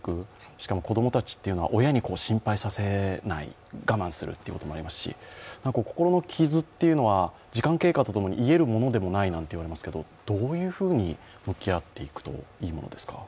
しかも子供たちというのは親に心配させない、我慢するというのもありますし、心の傷っていうのは時間経過とともに癒えるものではないと言いますけどどういうふうに向き合っていくといいものですか？